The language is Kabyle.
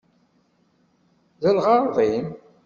Deg lɣeṛḍ-im!